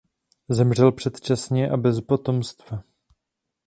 Zemřel předčasně a bez potomstva.